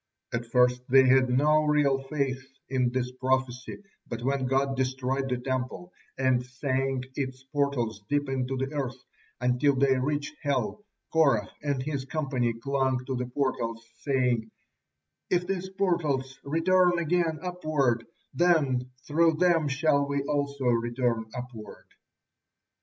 At first they had no real faith in this prophecy, but when God destroyed the Temple, and sank its portals deep into the earth until they reached hell, Korah and his company clung to the portals, saying: "If these portals return again upward, then through them shall we also return upward."